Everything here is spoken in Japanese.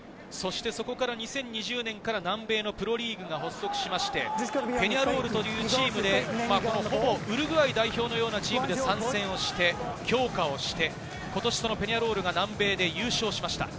そこから２０２０年から南米のプロリーグが発足しまして、ペニャロールというチームでほぼウルグアイ代表のようなチームで参戦をして、評価をして、今年、そのペニャロールが南米で優勝しました。